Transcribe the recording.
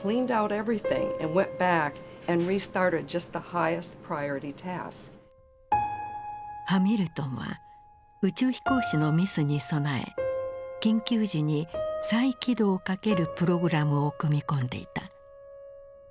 ハミルトンは宇宙飛行士のミスに備え緊急時に再起動をかけるプログラムを組み込んでいた。